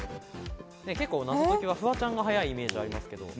謎解きはフワちゃんが早いイメージありますけど。